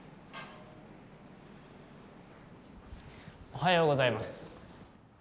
おはようございます。